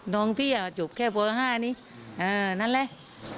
น้องพี่อะจุบแค่บัวห้านี้เออนั่นแหละ